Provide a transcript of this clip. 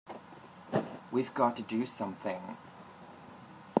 We've got to do something!